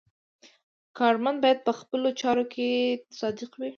کارمند باید په خپلو چارو کې صادق وي.